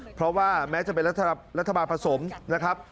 เพราะว่าแม้จะเป็นรัฐบาลผสมนะครับ